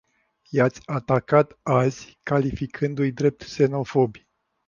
I-ați atacat azi, calificându-i drept xenofobi.